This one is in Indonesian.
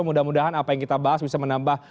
mudah mudahan apa yang kita bahas bisa menambah